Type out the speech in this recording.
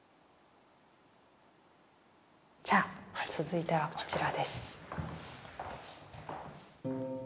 じゃあ続いてはこちらです。